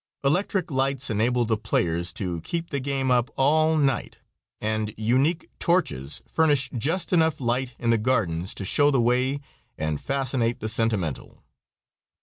Electric lights enable the players to keep the game up all night, and unique torches furnish just enough light in the gardens to show the way and fascinate the sentimental.